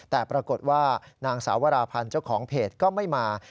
แต่ปรากฏว่านางสาวราพันธ์เจ้าของเพจก็ไม่มา